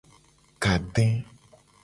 Kade.